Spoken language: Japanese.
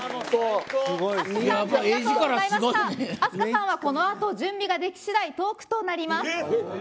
ＡＳＫＡさんはこの後準備ができ次第トークとなります。